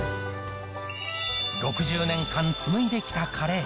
６０年間紡いできたカレー。